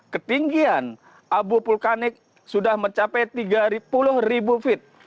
ketinggian abu vulkanik sudah mencapai tiga puluh ribu feet